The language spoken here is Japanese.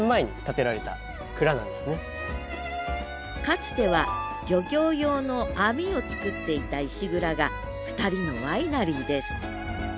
つては漁業用の網をつくっていた石蔵が２人のワイナリーです